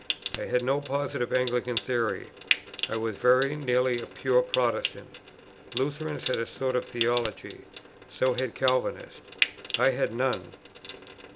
I had no positive Anglican theory. I was very nearly a pure Protestant. Lutherans had a sort of theology, so had Calvinists; I had none.